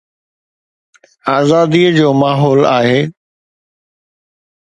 آزاديءَ جو ماحول آهي.